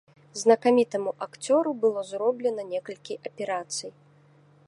Знакамітаму акцёру было зроблена некалькі аперацый.